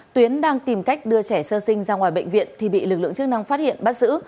tuyến đang tìm cách đưa trẻ sơ sinh ra ngoài bệnh viện thì bị lực lượng chức năng phát hiện bắt giữ